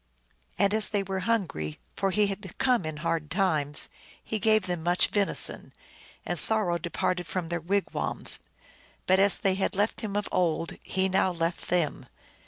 And as they were hungry for he had come in hard times he gave them much venison, and sor row departed from their wigwams. But as they had left him of old, he now left them.